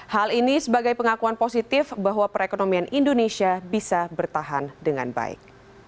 hal ini sebagai pengakuan positif bahwa perekonomian indonesia bisa bertahan dengan baik